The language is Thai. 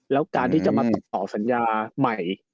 แล้วการที่จะมาติดต่อสัญญาใหม่